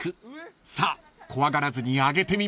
［さあ怖がらずにあげてみましょう］